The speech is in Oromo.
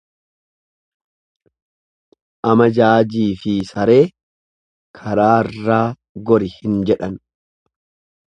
Amajaajiifi saree karaarraa gori hin jedhan.